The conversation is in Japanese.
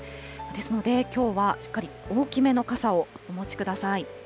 ですのできょうは、しっかり大きめの傘をお持ちください。